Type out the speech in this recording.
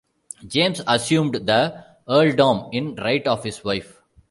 James assumed the earldom in right of his wife.